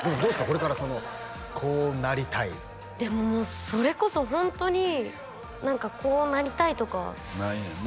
これからそのこうなりたいでももうそれこそホントに何かこうなりたいとかはないんやな